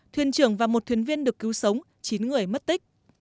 thuyền trưởng và một thuyền viên được cứu sống chín người mất tích